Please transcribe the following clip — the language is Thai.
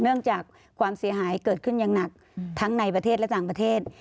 จากความเสียหายเกิดขึ้นอย่างหนักทั้งในประเทศและต่างประเทศ